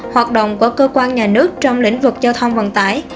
hoạt động của cơ quan nhà nước trong lĩnh vực giao thông vận tải